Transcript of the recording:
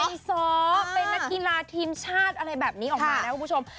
มีซ้อเป็นนักกีฬาทีมชาติอะไรแบบนี้ออกมานะคุณผู้ชม